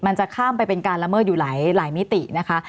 มันจะข้ามไปเป็นการละเมิดอยู่หลายมิตินะคะ